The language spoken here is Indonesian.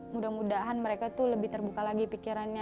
mudah mudahan mereka tuh lebih terbuka lagi pikirannya